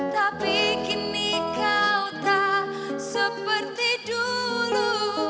tapi kini kau tak seperti dulu